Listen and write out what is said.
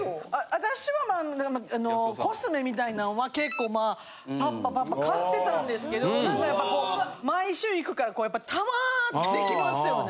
私はまあコスメみたいなんは結構パッパパッパ買ってたんですけどやっぱ毎週行くからたまってきますよね。